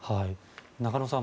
中野さん